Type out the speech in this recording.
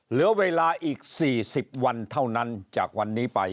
เหลือเวลาอีก๔๐วันเท่านั้นจากวันนี้ไป